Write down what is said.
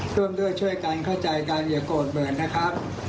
ร่วมด้วยช่วยกันเข้าใจกันอย่าโกรธเหมือนนะครับ